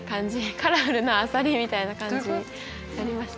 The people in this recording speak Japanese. カラフルなあさりみたいな感じになりました。